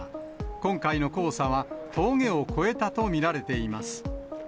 今回の黄砂は峠を越えたと見られています。